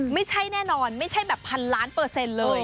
ไม่ใช่แน่นอนไม่ใช่แบบพันล้านเปอร์เซ็นต์เลย